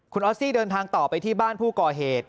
คุณออสซี่เดินทางต่อไปที่บ้านผู้ก่อเหตุ